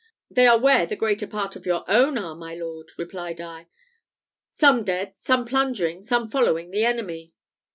"They are where the greater part of your own are, my lord," replied I; "some dead, some plundering, some following the enemy."